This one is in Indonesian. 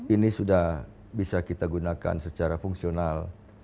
ini sudah bisa kita gunakan secara fungsional